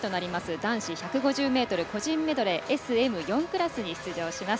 男子１５０ｍ個人メドレーＳＭ４クラスに出場します。